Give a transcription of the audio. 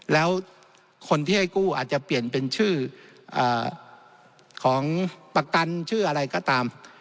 แล้วคนที่ให้กู้อาจจะเปลี่ยนเป็นชื่อของประกันชื่ออะไรก็ตาม